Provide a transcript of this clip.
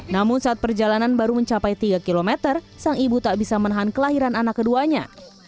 namun saat perjalanan baru mencapai tiga km sang ibu tak bisa menahan kelahiran anak keduanya